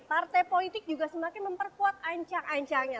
partai politik juga semakin memperkuat ancang ancangnya